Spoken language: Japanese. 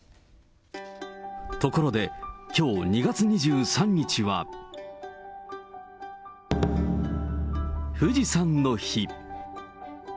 ところで、きょう２月２３日は富士山の日。